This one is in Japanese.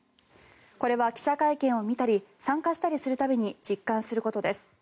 これは記者会見を見たり参加したりする度に実感することです。